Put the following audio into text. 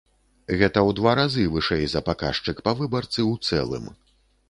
Гэта ў два разы вышэй за паказчык па выбарцы ў цэлым.